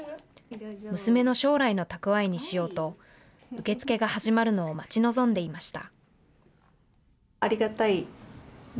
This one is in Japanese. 娘の将来の蓄えにしようと受け付けが始まるのを待ち望んでいました。